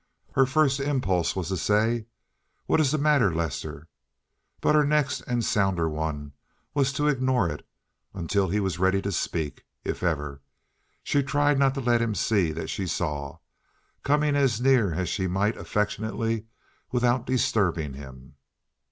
Her first impulse was to say, "What is the matter, Lester?" but her next and sounder one was to ignore it until he was ready to speak, if ever. She tried not to let him see that she saw, coming as near as she might affectionately without disturbing him.